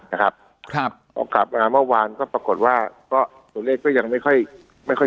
นะครับครับพอกลับมาเมื่อวานก็ปรากฏว่าก็ตัวเลขก็ยังไม่ค่อยไม่ค่อย